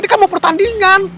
ini kan mau pertandingan